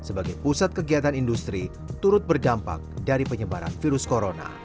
sebagai pusat kegiatan industri turut berdampak dari penyebaran virus corona